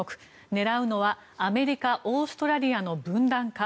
狙うのはアメリカオーストラリアの分断か。